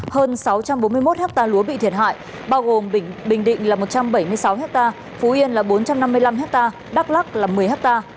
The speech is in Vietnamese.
hơn sáu trăm bốn mươi một ha lúa bị thiệt hại bao gồm bình định là một trăm bảy mươi sáu hectare phú yên là bốn trăm năm mươi năm hectare đắk lắc là một mươi ha